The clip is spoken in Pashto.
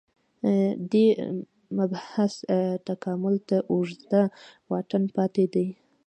دې مبحث تکامل ته اوږد واټن پاتې دی